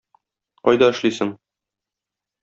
Кайда эшлисең?